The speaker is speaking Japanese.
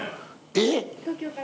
えっ！